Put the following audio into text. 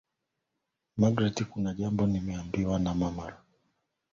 Magreth kuna jambo nimeambiwa na mama Ruhala nataka unisaidie kidogoJacob alifungua maongezi mapya